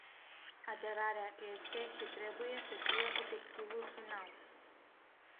Aderarea este și trebuie să fie obiectivul final.